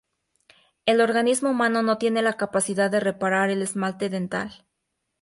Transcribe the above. El organismo humano no tiene la capacidad de reparar el esmalte dental.